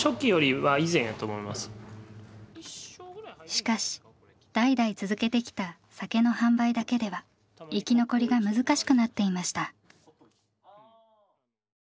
しかし代々続けてきた酒の販売だけでは生き残りが難しくなっていました。